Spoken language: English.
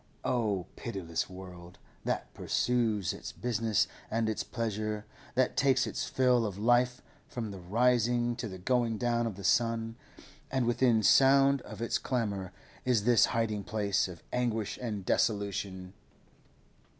Oh, pitiless world, that pursues its business and its pleasure, that takes its fill of life from the rising to the going down of the sun, and within sound of its clamour is this hiding place of anguish and desolation!